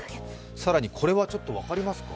更にこれはちょっと分かりますか？